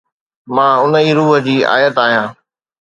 مان ان ئي روح جي اُپت آهيان